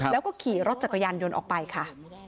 แล้วก็ขี่รถจักรยานยนต์ออกไปค่ะ